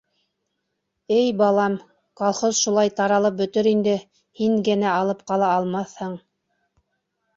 Эй балам, колхоз шулай таралып бөтөр инде, һин генә алып ҡала алмаҫһың...